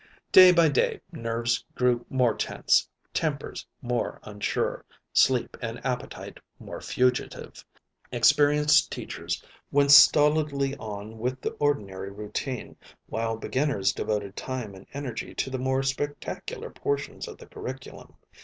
Day by day nerves grew more tense, tempers more unsure, sleep and appetite more fugitive. Experienced teachers went stolidly on with the ordinary routine, while beginners devoted time and energy to the more spectacular portions of the curriculum.